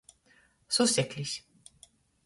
Suseklis.